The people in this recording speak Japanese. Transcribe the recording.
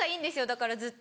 だからずっと。